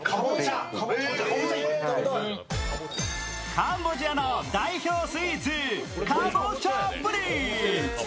カンボジアの代表スイーツカボチャプリン。